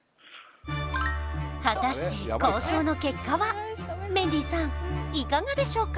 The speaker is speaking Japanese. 果たしてメンディーさんいかがでしょうか？